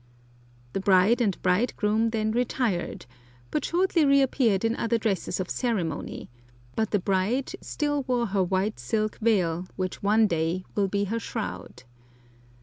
The bride and bridegroom then retired, but shortly reappeared in other dresses of ceremony, but the bride still wore her white silk veil, which one day will be her shroud.